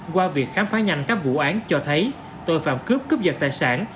qua việc khám phá nhanh các vụ án cho thấy tội phạm cướp cướp giật tài sản